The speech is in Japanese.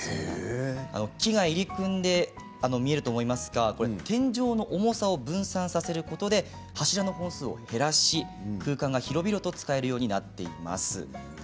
木が入り組んで見えると思いますが天井の重さを分散させることで柱の本数を減らし空間が広々と使えるようになっています。